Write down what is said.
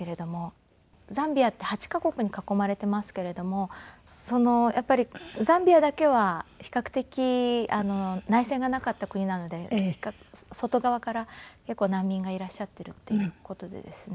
ザンビアって８カ国に囲まれてますけれどもやっぱりザンビアだけは比較的内戦がなかった国なので外側から結構難民がいらっしゃっているっていう事でですね。